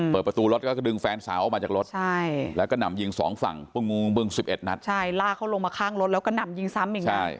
เปิดประตูรถก็ดึงแฟนสาวออกมาจากรถแล้วก็นำยิงสองฝั่งบึง๑๑นัดใช่ลากเขาลงมาข้างรถแล้วก็หนำยิงซ้ำอย่างนี้